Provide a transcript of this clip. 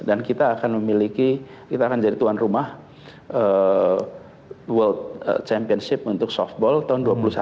dan kita akan memiliki kita akan jadi tuan rumah world championship untuk softball tahun dua ribu dua puluh satu